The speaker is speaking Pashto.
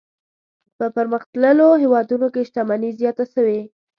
په پرمختللو هېوادونو کې شتمني زیاته شوې.